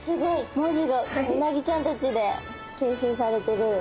文字がうなぎちゃんたちで形成されてる。